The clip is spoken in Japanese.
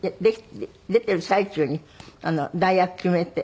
出ている最中に代役決めて。